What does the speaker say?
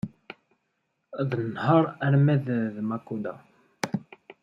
Ad nenheṛ arma d Makuda.